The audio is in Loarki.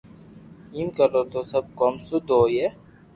ايم ڪرو تو سب ڪوم سود ھوئي